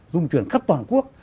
dung chuyển khắp toàn quốc